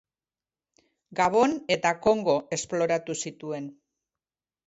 Gabon eta Kongo esploratu zituen.